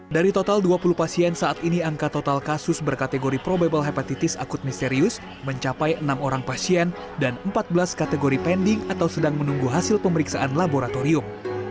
dari total dua puluh pasien saat ini angka total kasus berkategori probable hepatitis akut misterius mencapai enam orang pasien dan empat belas kategori pending atau sedang menunggu hasil pemeriksaan laboratorium